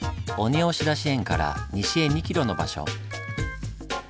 押出し園から西へ２ｋｍの場所。